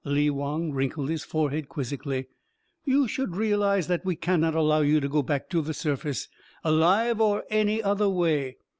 Lee Wong wrinkled his forehead quizzically. "You should realize that we cannot allow you to go back to the surface alive, or any other way.